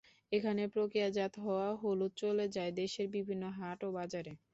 এখানে প্রক্রিয়াজাত হওয়া হলুদ চলে যায় দেশের বিভিন্ন হাট ও বাজারে।